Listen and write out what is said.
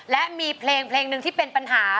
และมีเพลงนึงที่เป็นปัญหา